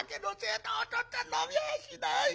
お父っつぁん飲みやしない』。